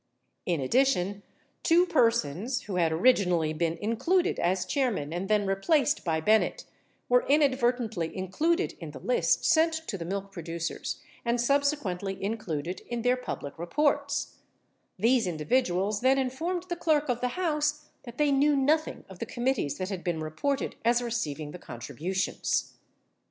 Tn addition, two persons (who had orig inally been included as chairmen and then replaced by Bennett) were inadvertently included in the lists sent to the milk producers and subsequently included in their public reports ; these individuals then informed the Clerk of the House that they knew nothing of the com mittees that had been reported as receiving the contributions.